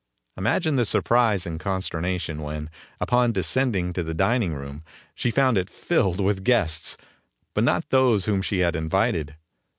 Imagine the surprise and consternation when, upon descending to the dining room, she found it filled with guests, but not those whom she had invited.